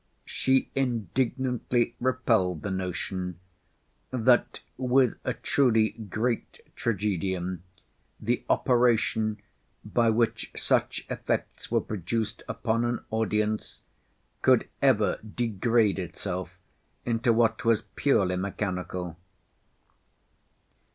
She indignantly repelled the notion, that with a truly great tragedian the operation, by which such effects were produced upon an audience, could ever degrade itself into what was purely mechanical.